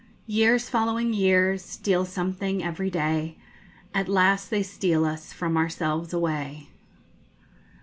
Years following years, steal something every day; _At last they steal us from ourselves away.